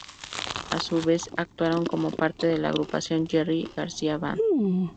A su vez, actuaron como parte de la agrupación Jerry Garcia Band.